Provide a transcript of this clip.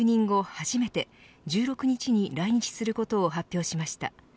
初めて１６日に来日することを発表しました。